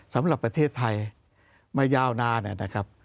สำหรับประเทศไทยมายาวนานนะครับ